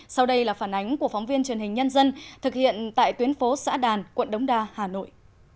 sau đây là phản ánh của phóng viên truyền hình nhân dân thực hiện tại tuyến phố xã đàn quận đống đa hà nội